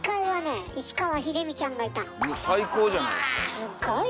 「すっごい！